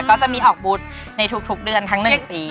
ก็จะมีออกบุตรในทุกเดือนทั้ง๑ปี